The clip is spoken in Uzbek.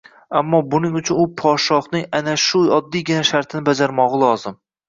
Ammo buning uchun u podshohning ana shu oddiygina shartini bajarmog`i lozim